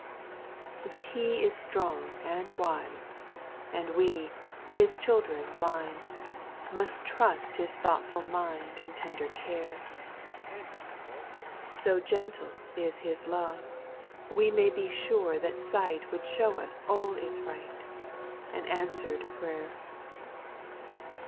8. But He is strong and wise, And we, His children blind, Must trust His thoughtful nund And tender care. So gentle is His love. We may be sure that sight Would show us all is right, And answered prayer.